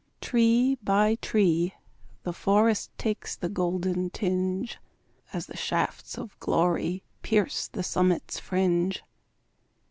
Tree by tree the forest Takes the golden tinge, As the shafts of glory Pierce the summit's fringe.